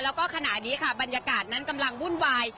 แล้วก็ขณะนี้ค่ะบรรยากาศนั้นกำลังวุ่นวาย